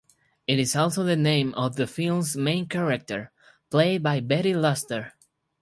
It is also the name of the film's main character, played by Betty Luster.